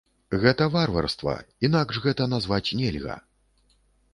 Гэта варварства, інакш гэта назваць нельга!